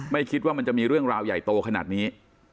ไม่คิดว่ามันจะมีเรื่องราวใหญ่โตขนาดนี้